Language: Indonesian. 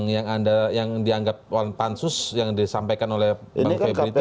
yang dianggap pansus yang disampaikan oleh bung faryam itu menapsir